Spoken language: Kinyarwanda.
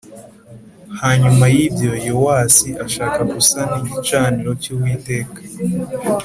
Hanyuma y ibyo Yowasi ashaka gusana igicaniro cy’uwiteka